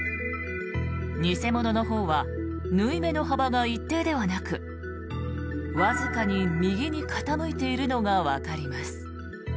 偽物のほうは縫い目の幅が一定ではなくわずかに右に傾いているのがわかります。